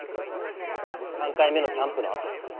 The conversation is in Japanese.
３回目のキャンプのあと。